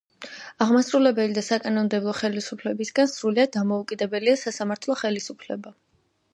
აღმასრულებელი და საკანონმდებლო ხელისუფლებისგან სრულიად დამოუკიდებელია სასამართლო ხელისუფლება.